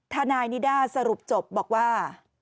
ทนายนิด้าสรุปจบบอกว่า